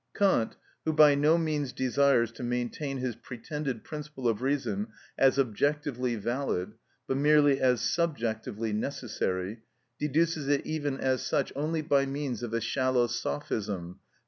Kant, who by no means desires to maintain his pretended principle of reason as objectively valid, but merely as subjectively necessary, deduces it even as such only by means of a shallow sophism, p.